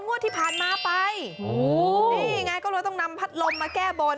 งวดที่ผ่านมาไปโอ้โหนี่ไงก็เลยต้องนำพัดลมมาแก้บน